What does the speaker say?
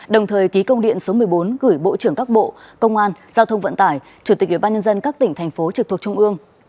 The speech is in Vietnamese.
đồng thời ký công điện số một mươi bốn gửi bộ trưởng các bộ công an giao thông vận tải chủ tịch ủy ban nhân dân các tỉnh thành phố trực thuộc trung ương